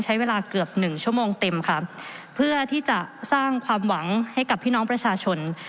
ใช้เวลาเกือบหนึ่งชั่วโมงเต็มค่ะเพื่อที่จะสร้างความหวังให้กับพี่น้องประชาชน